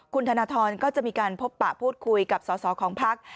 คุณธนทรก็จะมีการพบปะพูดคุยกับสอสอของพัก